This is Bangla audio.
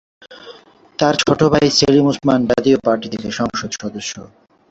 তার ছোট ভাই সেলিম ওসমান জাতীয় পার্টি থেকে সংসদ সদস্য।